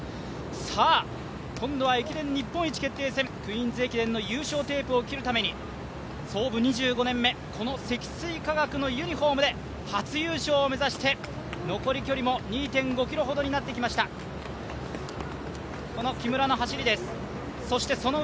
さあ、今度は駅伝日本一決定戦、クイーンズ駅伝の優勝のテープを切るために創部２５年目、積水化学のユニフォームで初優勝を目指して残り距離も２．５ｋｍほどになってきました、この木村の走りです。